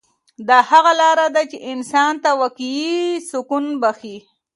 دا هغه لاره ده چې انسان ته واقعي سکون بښي.